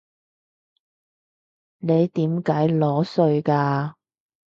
你點解裸睡㗎？